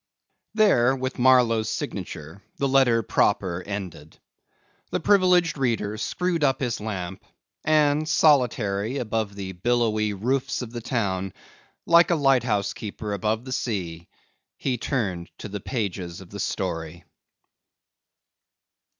There with Marlow's signature the letter proper ended. The privileged reader screwed up his lamp, and solitary above the billowy roofs of the town, like a lighthouse keeper above the sea, he turned to the pages of the story.